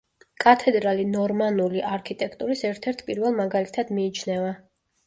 კათედრალი ნორმანული არქიტექტურის ერთ-ერთ პირველ მაგალითად მიიჩნევა.